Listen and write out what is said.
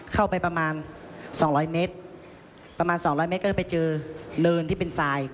เข้าไปประมาณ๒๐๐เมตรประมาณสองร้อยเมตรก็ไปเจอเนินที่เป็นทราย